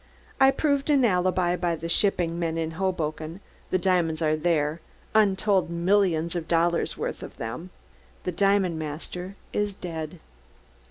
... I proved an alibi by the shipping men in Hoboken ... the diamonds are there, untold millions of dollars' worth of them ... the diamond master is dead!"